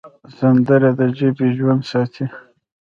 سندره د ژبې ژوند ساتي